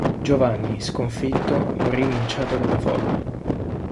Giovanni, sconfitto, morì linciato dalla folla.